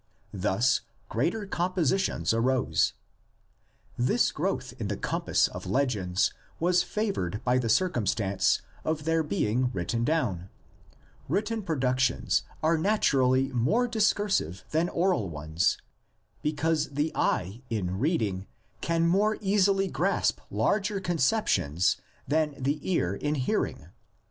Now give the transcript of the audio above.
Thus greater compositions arose. This growth in the compass of legends was favored by the circumstance of their being written down; written productions are naturally more discursive than oral ones, because the eye in reading can more easily grasp larger conceptions than the ear in hear ing.